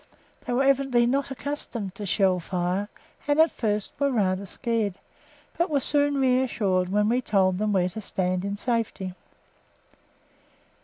They were evidently not accustomed to shell fire, and at first were rather scared, but were soon reassured when we told them where to stand in safety.